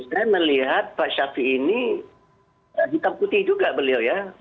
saya melihat pak syafie ini hitam putih juga beliau ya